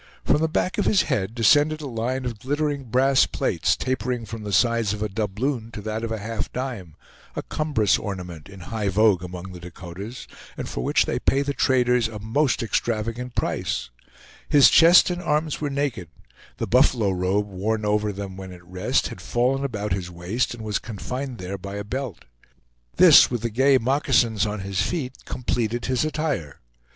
From the back of his head descended a line of glittering brass plates, tapering from the size of a doubloon to that of a half dime, a cumbrous ornament, in high vogue among the Dakotas, and for which they pay the traders a most extravagant price; his chest and arms were naked, the buffalo robe, worn over them when at rest, had fallen about his waist, and was confined there by a belt. This, with the gay moccasins on his feet, completed his attire.